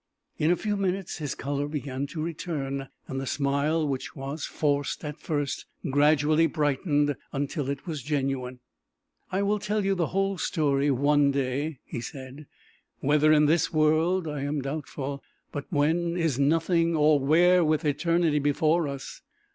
In a few minutes his colour began to return, and the smile which was forced at first, gradually brightened until it was genuine. "I will tell you the whole story one day," he said, " whether in this world, I am doubtful. But when is nothing, or where, with eternity before us."